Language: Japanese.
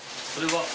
それは？